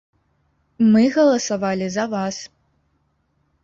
Мы галасавалі за вас!